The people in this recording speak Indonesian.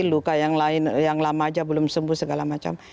luka yang lama saja belum sembuh segala macam